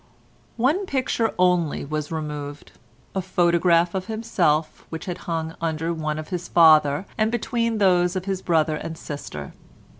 One picture only was removed—a photograph of himself which had hung under one of his father and between those of his brother and sister.